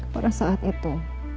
pada saat itu